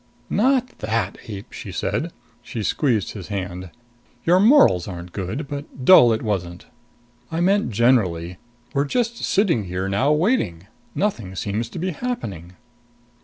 "Not that, ape!" she said. She squeezed his hand. "Your morals aren't good, but dull it wasn't. I meant generally. We're just sitting here now waiting. Nothing seems to be happening."